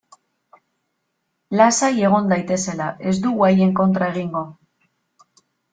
Lasai egon daitezela, ez dugu haien kontra egingo.